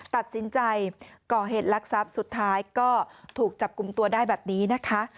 ตัดสินใจก่อเหตุลักษัพสุดท้ายก็ถูกจับกลุ่มตัวได้แบบนี้นะคะ